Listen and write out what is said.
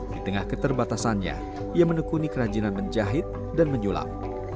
di tengah keterbatasannya ia menekuni kerajinan menjahit dan menyulap